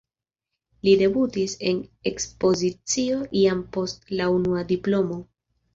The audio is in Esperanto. Li debutis en ekspozicio jam post la unua diplomo.